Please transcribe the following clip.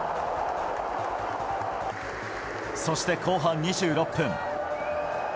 そして後半２６分。